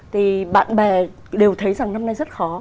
thì bạn bè đều thấy rằng năm nay rất khó